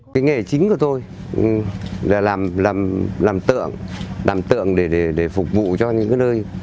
cái nghề chính của tôi là làm tượng để phục vụ cho những nơi